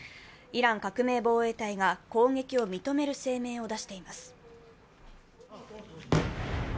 イラン革命防衛隊が攻撃を認める声明を出しています。